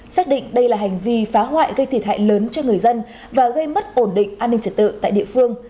xác định đây là hành vi phá hoại gây thiệt hại lớn cho người dân và gây mất ổn định an ninh trật tự tại địa phương